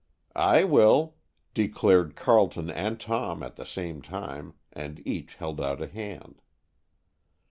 "I will!" declared Carleton and Tom at the same time, and each held out a hand.